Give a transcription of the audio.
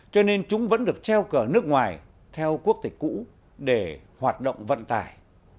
cho nên chúng vẫn được treo cờ nước ngoài theo quốc tịch cũ để hoạt động vận tải